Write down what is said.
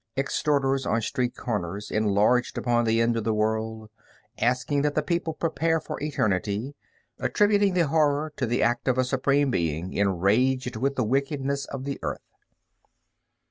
Exhorters on street corners enlarged upon the end of the world, asking that the people prepare for eternity, attributing the Horror to the act of a Supreme Being enraged with the wickedness of the Earth.